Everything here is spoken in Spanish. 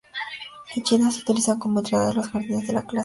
En china se utilizan como entrada en los jardines de la clase alta.